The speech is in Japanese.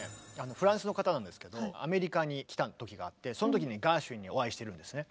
フランスの方なんですけどアメリカに来た時があってその時にガーシュウィンにお会いしてるんですね。